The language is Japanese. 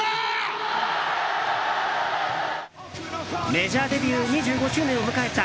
メジャーデビュー２５周年を迎えた